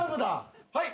はい。